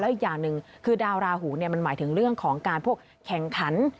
อีกอย่างหนึ่งคือดาวราหูมันหมายถึงเรื่องของการพวกแข่งขัน